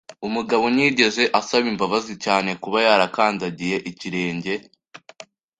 Umugabo ntiyigeze asaba imbabazi cyane kuba yarakandagiye ikirenge.